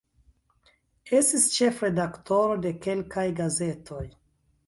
Estis ĉefredaktoro de kelkaj gazetoj.